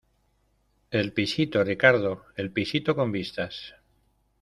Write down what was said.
el pisito, Ricardo , el pisito con vistas.